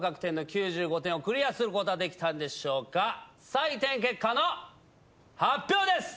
採点結果の発表です！